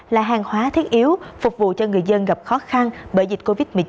là hàng hóa thiết yếu phục vụ cho người dân gặp khó khăn bởi dịch covid một mươi chín